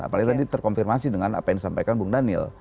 apalagi tadi terkonfirmasi dengan apa yang disampaikan bung daniel